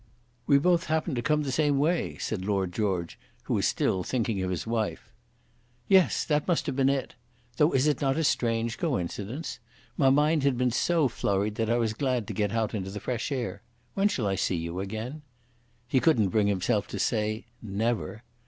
"We both happened to come the same way," said Lord George, who was still thinking of his wife. "Yes; that must have been it. Though is it not a strange coincidence? My mind had been so flurried that I was glad to get out into the fresh air. When shall I see you again?" He couldn't bring himself to say never.